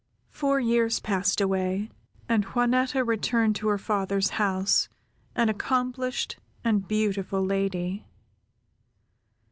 Four years passed away, and Juanetta returned to her father's house, an accomplished, and beautiful lady.